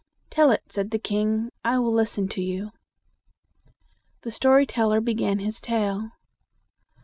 "Tell it," said the king. "I will listen to you." The story teller began his tale.